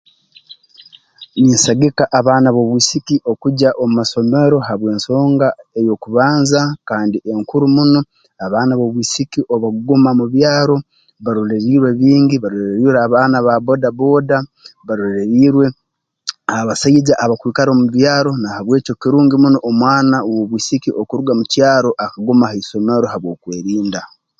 Ninsagika abaana b'obwisiki okugya omu masomero habw'ensonga ey'okubanza kandi enkuru muno abaana b'obwisiki obu bakuguma mu byaro barolerirwe bingi barolerirwe abaana ba bboodabbooda barolerirwe abasaija abakwikara omu byaro na habw'ekyo kirungi muno omwana w'obwisiki okuruga mu kyaro akaguma ha isomero habw'okwerinda